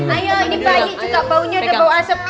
ayo ini bayi juga baunya udah bau asap